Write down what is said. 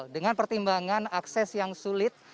dengan pertimbangan akses yang sulit